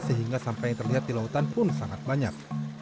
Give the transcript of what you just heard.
sehingga sampah yang terlihat di lautan pun sangat banyak